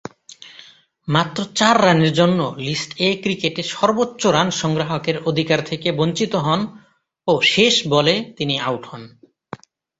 মাত্র চার রানের জন্য লিস্ট-এ ক্রিকেটে সর্বোচ্চ রান সংগ্রাহকের অধিকার থেকে বঞ্চিত হন ও শেষ বলে তিনি আউট হন।